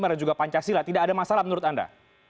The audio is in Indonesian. dan juga pancasila tidak ada masalah menurut anda